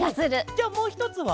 じゃあもうひとつは？